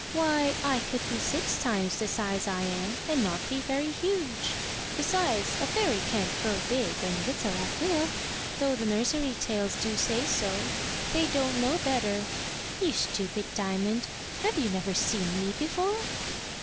Why, I could be six times the size I am, and not be very huge. Besides, a fairy can't grow big and little at will, though the nursery tales do say so: they don't know better. You stupid Diamond! have you never seen me before?"